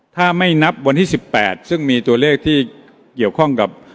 ถ้าไม่นับวันที่๑๘ซึ่งมีตัวเลขที่เกี่ยวข้องกับ